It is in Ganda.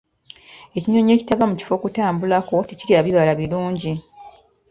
Ekinyonyi ekitava mu kifo kutambulako tekirya bibala birungi.